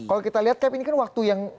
kalau kita lihat kan ini kan waktu yang